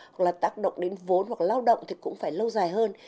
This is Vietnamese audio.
hoặc là tác động đến vốn hoặc lao động thì cũng phải lâu dài hơn